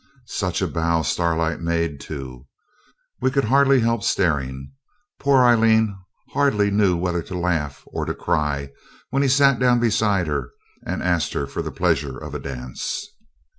Such a bow Starlight made, too. We could hardly help staring. Poor Aileen hardly knew whether to laugh or to cry when he sat down beside her and asked for the pleasure of a dance.